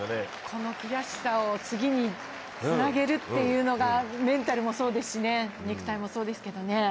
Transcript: この悔しさを次につなげるというのがメンタルもそうですし、肉体もそうですけどね。